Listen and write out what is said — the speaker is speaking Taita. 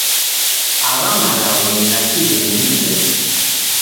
Agha malagho ni gha kighenyi mzedu.